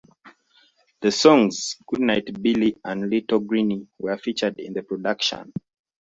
The songs "Goodnight Billie" and "Little Greenie" were featured in the production.